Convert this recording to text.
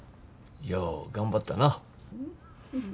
よう頑張ったな。